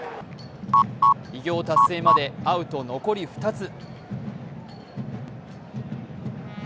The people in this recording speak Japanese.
偉業達成までアウト残り２つ。